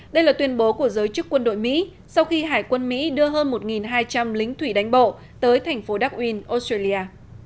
đây là tuyên bố của giới chức quân đội mỹ sau khi hải quân mỹ đưa hơn một hai trăm linh lính thủy đánh bộ tới thành phố dakin australia